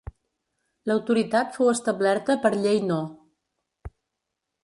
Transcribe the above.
L'autoritat fou establerta per Llei No.